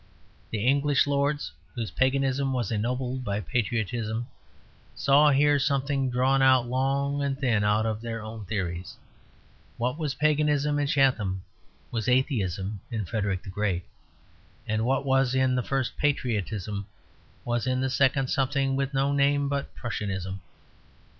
The English lords, whose paganism was ennobled by patriotism, saw here something drawn out long and thin out of their own theories. What was paganism in Chatham was atheism in Frederick the Great. And what was in the first patriotism was in the second something with no name but Prussianism.